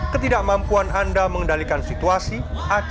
ketidakmampuan anda mengendalikan situasi yang berbeda dengan keadaan anda